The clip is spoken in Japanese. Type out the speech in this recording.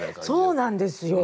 そうなんですよ。